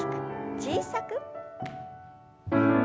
小さく。